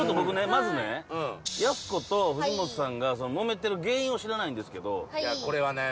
まずねやす子と藤本さんがもめてる原因を知らないんですけどいやこれはね